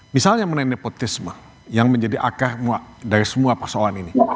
misalnya mengenai nepotisme yang menjadi akar dari semua persoalan ini